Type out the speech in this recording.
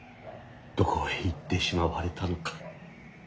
どこへ行ってしまわれたのか。